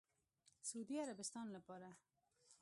سعودي عربستان لپاره